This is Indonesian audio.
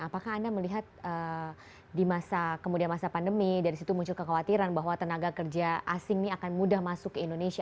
apakah anda melihat di masa kemudian masa pandemi dari situ muncul kekhawatiran bahwa tenaga kerja asing ini akan mudah masuk ke indonesia